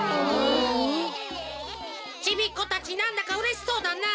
ちびっこたちなんだかうれしそうだなあ。